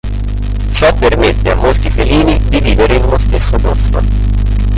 Ciò permette a molti felini di vivere in uno stesso posto.